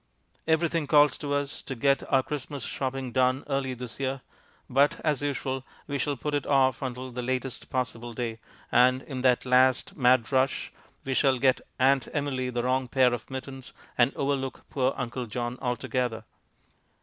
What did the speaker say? Everything calls to us to get our Christmas shopping done early this year, but, as usual, we shall put it off until the latest possible day, and in that last mad rush we shall get Aunt Emily the wrong pair of mittens and overlook poor Uncle John altogether.